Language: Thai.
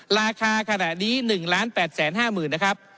ราคาขณะนี้๑๘๕๐๐๐นะครับ